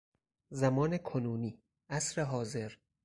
زمان کنونی، عصر حاضر